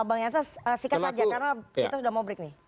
bang yansa singkat saja karena kita sudah mau break nih